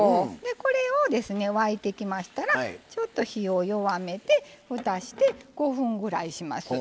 これを沸いてきましたら火を弱めて、ふたして５分ぐらいします。